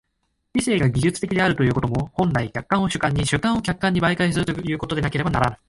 知性が技術的であるということも、本来、客観を主観に、主観を客観に媒介するということでなければならぬ。